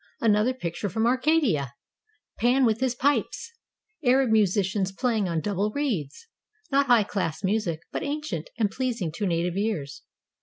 Another picture from Arcadia! Pan with his pipes! Arab musicians playing on double reeds !— not high class music, but ancient, and pleasing to native ears.